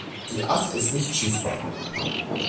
Die Ach ist nicht schiffbar.